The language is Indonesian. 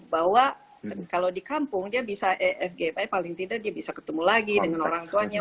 bahwa kalau di kampung dia bisa efgi paling tidak dia bisa ketemu lagi dengan orang tuanya